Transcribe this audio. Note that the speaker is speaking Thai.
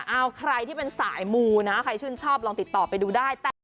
เอาใครที่เป็นสายมูนะใครชื่นชอบลองติดต่อไปดูได้